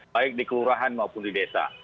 baik di kelurahan maupun di desa